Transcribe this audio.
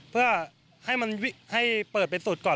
เพื่อให้เปิดเป็นสุดก่อน